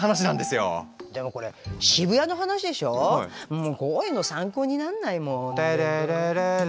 もうこういうの参考になんないもん。テレレレレ。